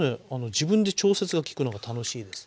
自分で調節が利くのが楽しいですね。